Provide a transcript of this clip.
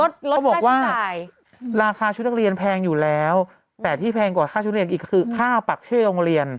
เขาบอกว่าราคาชุดนักเรียนแพงอยู่แล้วแต่ที่แพงกว่าค่าชุดเรียนอีกคือค่าปักชื่อโรงเรียน